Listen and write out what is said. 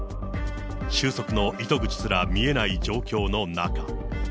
収束の糸口すら見えない状況の中。